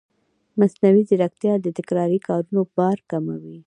مصنوعي ځیرکتیا د تکراري کارونو بار کموي.